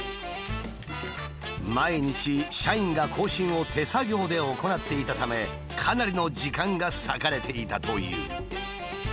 毎日社員が更新を手作業で行っていたためかなりの時間が割かれていたという。